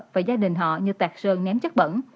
và gia đình họ như tạc sơn ném chất bẩn